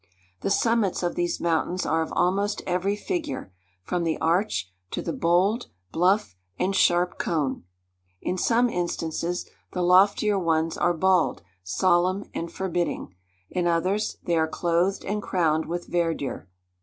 The summits of these mountains are of almost every figure, from the arch, to the bold, bluff, and sharp cone. In some instances, the loftier ones are bald, solemn, and forbidding; in others, they are clothed and crowned with verdure.